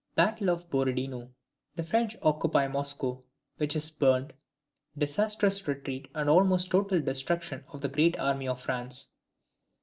Battle of Borodino. The French occupy Moscow, which is burned. Disastrous retreat and almost total destruction of the great army of France.